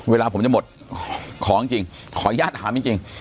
เวลาผมจะหมดขออย่างจริงขอยากถามจริง